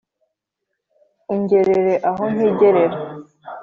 ungerere aho ntigerera